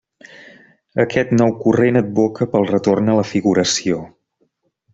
Aquest nou corrent advoca pel retorn a la figuració.